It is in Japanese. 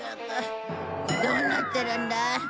どうなってるんだ？